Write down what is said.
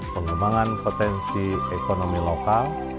pengembangan potensi ekonomi lokal